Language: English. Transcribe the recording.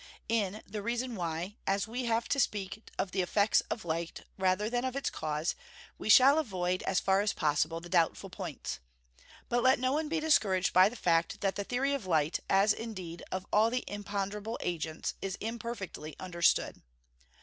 In "The Reason Why," as we have to speak of the effects of light rather than of its cause, we shall avoid, as far as possible, the doubtful points. But let no one be discouraged by the fact that the theory of light, as, indeed, of all the imponderable agents, is imperfectly understood.